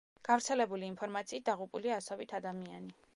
გავრცელებული ინფორმაციით დაღუპულია ასობით ადამიანი.